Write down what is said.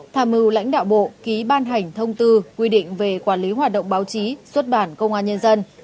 tham mưu lãnh đạo bộ ký ban hành thông tư quy định về quản lý hoạt động báo chí xuất bản công an nhân dân